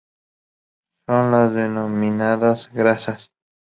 Son las denominadas "Grasas".